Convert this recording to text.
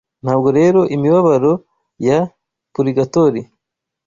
Ntabwo rero imibabaro ya « purigatori »